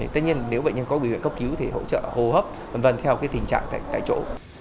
tất nhiên nếu bệnh nhân có biểu hiện cấp cứu thì hỗ trợ hô hấp v v theo tình trạng tại chỗ